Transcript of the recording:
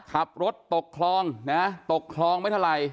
ขับรถตกคลองนะตกคลองไม่เท่าไหร่